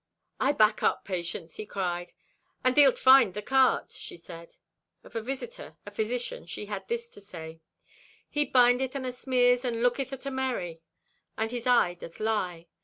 "I back up, Patience," he cried. "And thee'lt find the cart," she said. Of a visitor, a physician, she had this to say: "He bindeth and asmears and looketh at a merry, and his eye doth lie.